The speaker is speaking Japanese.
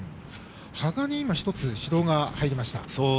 羽賀に１つ指導が入りました。